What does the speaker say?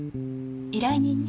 依頼人に？